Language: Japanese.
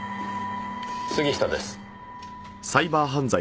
杉下です。